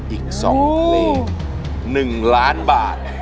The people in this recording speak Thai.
อีก๒เคลงหนึ่งล้านบาท